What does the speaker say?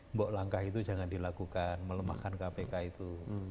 mbok langkah itu jangan dilakukan melemahkan kpk itu